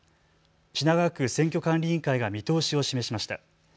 品川区選挙管理委員会が見通しを示しました。